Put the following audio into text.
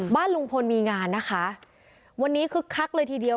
บ้านลุงพลมีงานนะคะวันนี้คึกคักเลยทีเดียว